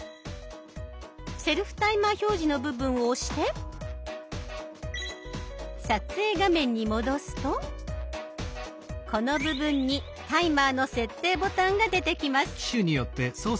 「セルフタイマー表示」の部分を押して撮影画面に戻すとこの部分にタイマーの設定ボタンが出てきます。